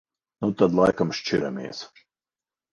Nu tad laikam šķiramies.